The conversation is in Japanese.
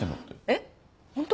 えっ？ホント？